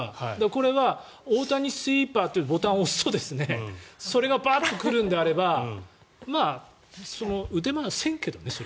これは大谷スイーパーってボタンを押すとそれがバッと来るのであればまあ、打てませんけどね。